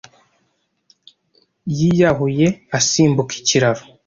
Yiyahuye asimbuka ikiraro.